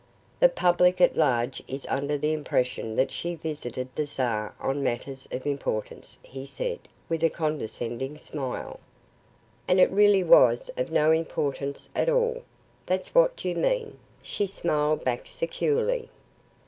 "The public at large is under the impression that she visited the Czar on matters of importance," he said, with a condescending smile. "And it really was of no importance at all, that's what you mean?" she smiled back securely.